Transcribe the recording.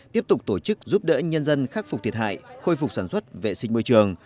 tiếp tục tổ chức giúp đỡ nhân dân khắc phục thiệt hại khôi phục sản xuất vệ sinh môi trường